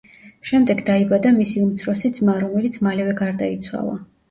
შემდეგ დაიბადა მისი უმცროსი ძმა, რომელიც მალევე გარდაიცვალა.